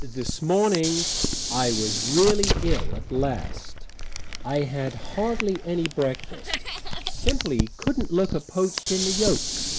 This morning I was really ill at last; had hardly any breakfast; simply couldn't look a poached in the yolk.